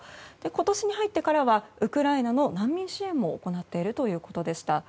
今年に入ってからはウクライナの難民支援も行っているということでした。